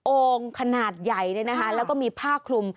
โอ่งขนาดใหญ่แล้วก็มีผ้าคลุม